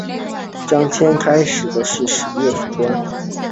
张骘开始是段业的属官。